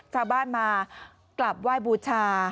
ชาวบ้านมากลับไหว้บูชา